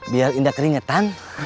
biar indah keringetan